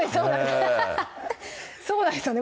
そうなんですよね